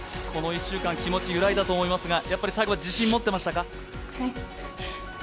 この１週間、気持ち、揺らいだと思いますが最後は自信持ってましたか？